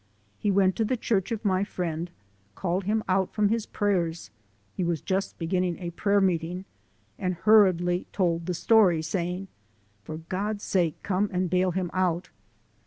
He went to the church of my friend, called him out from his prayers he was just beginning a prayer meeting I GO TO JAIL ONCE MORE 267 and hurriedly told the story, saying: "For God's sake come and bail him out."